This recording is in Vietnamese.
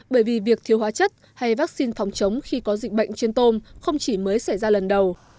bởi vì việc thiếu hóa chất hay vaccine phòng chống khi có dịch bệnh trên tôm không chỉ mới xảy ra lần đầu